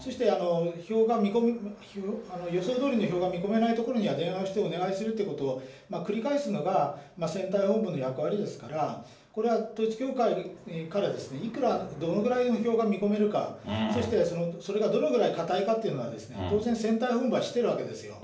そして予想どおりの票が見込めないところには電話してお願いするということを繰り返すのが、選対本部の役割ですから、これは統一教会からいくらどのぐらいの票が見込めるか、そしてそれがどのくらい堅いかというのは、当然、選対本部は知っているわけですよ。